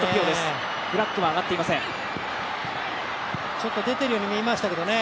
ちょっと出てるように見えましたけどね。